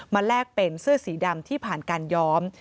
แลกเป็นเสื้อสีดำที่ผ่านการย้อม